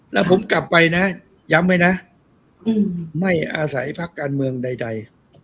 แล้วผมกลับไปนะย้ำไว้นะไม่อาศัยพักการเมืองใด